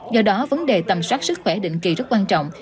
do đó vấn đề tầm soát sức khỏe định kỳ rất quan trọng